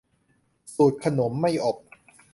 สูตรขนมไม่อบ